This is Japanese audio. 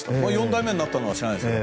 ４代目になったのは知らないですが。